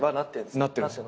なってるんすよ。